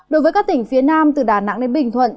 đối với các tỉnh phía nam từ đà nẵng đến bình thuận